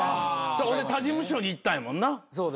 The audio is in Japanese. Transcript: ほんで他事務所にいったんやもんな。